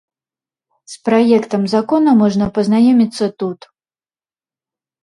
З праектам закона можна пазнаёміцца тут.